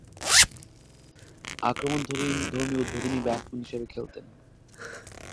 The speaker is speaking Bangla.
আক্রমণধর্মী উদ্বোধনী ব্যাটসম্যান হিসেবে খেলতেন।